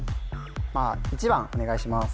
まあ１番お願いします